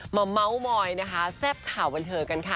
มาเม้าเมาย์นะคะแซ่บข่าวบันเทอร์กันค่ะ